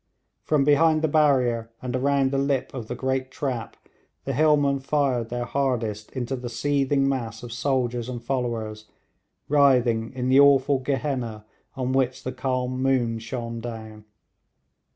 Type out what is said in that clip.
From behind the barrier, and around the lip of the great trap, the hillmen fired their hardest into the seething mass of soldiers and followers writhing in the awful Gehenna on which the calm moon shone down.